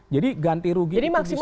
jadi ganti rugi itu bisa diberikan